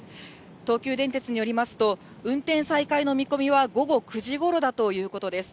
東急電鉄によりますと、運転再開の見込みは午後９時ごろだということです。